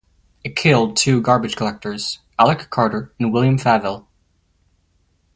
It killed two garbage collectors, Alec Carter and William Favell.